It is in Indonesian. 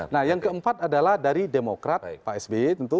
nah yang keempat adalah dari demokrat pak sby tentu